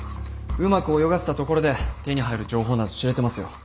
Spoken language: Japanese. うまく泳がせたところで手に入る情報など知れてますよ。